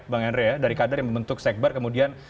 bang andre ya dari kader yang membentuk sekber kemudian